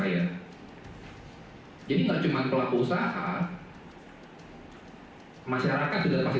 masyarakat juga pasti terancam pelaku usaha terancam